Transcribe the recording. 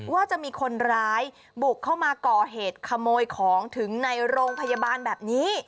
ว่าจะมีคนร้ายบุกเข้ามาก่อเหตุขโมยของถึงในโรงพยาบาลแบบนี้